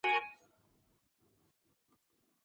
თარიღდება ადრინდელი და შუა ფეოდალური ხანით.